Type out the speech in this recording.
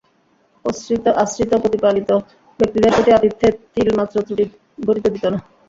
আশ্রিত প্রতিপালিত ব্যক্তিদের প্রতি আতিথ্যে তিলমাত্র ত্রুটি ঘটিতে দিত না।